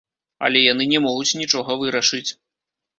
Але яны не могуць нічога вырашыць.